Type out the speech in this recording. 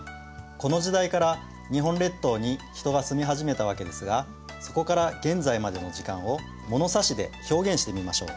この時代から日本列島に人が住み始めたわけですがそこから現在までの時間をものさしで表現してみましょう。